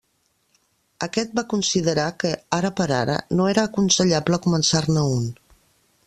Aquest va considerar que, ara per ara, no era aconsellable començar-ne un.